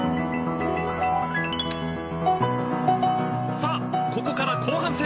さあここから後半戦。